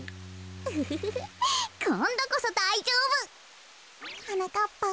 ウフフフこんどこそだいじょうぶ！はなかっぱん。